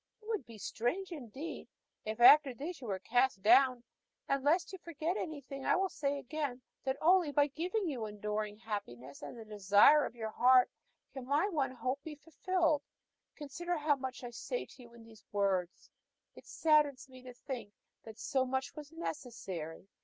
It would be strange indeed if after this you were cast down; and, lest you forget anything, I will say again that only by giving you enduring happiness and the desire of your heart can my one hope be fulfilled. Consider how much I say to you in these words; it saddens me to think that so much was necessary.